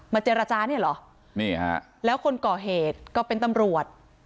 เจรจาเนี่ยเหรอนี่ฮะแล้วคนก่อเหตุก็เป็นตำรวจ